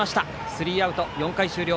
スリーアウト、４回終了。